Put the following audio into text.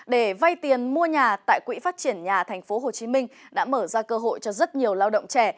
để vay tiền mua nhà tại quỹ phát triển nhà tp hcm đã mở ra cơ hội cho rất nhiều lao động trẻ